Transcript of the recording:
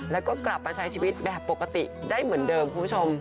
แล้วก็กลับมาใช้ชีวิตแบบปกติได้เหมือนเดิมคุณผู้ชม